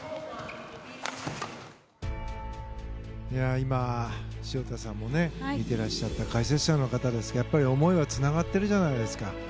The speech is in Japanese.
今、潮田さんも見てらっしゃって解説者の方、やっぱり思いがつながってるじゃないですか。